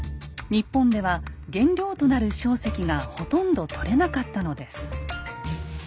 日本では原料となる硝石がほとんど採れなかったのです。